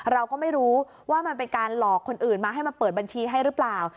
เราก็ไม่รู้ว่ามันเป็นการหลอกคนอื่นมาให้มาเปิดบัญชีให้หรือเปล่า